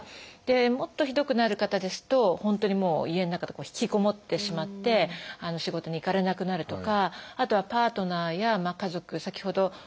もっとひどくなる方ですと本当にもう家の中とか引きこもってしまって仕事に行かれなくなるとかあとはパートナーや家族先ほど大和田さん